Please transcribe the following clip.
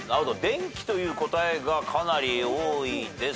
「でんき」という答えがかなり多いですね。